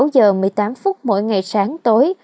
sáu giờ một mươi tám phút mỗi ngày sáng tối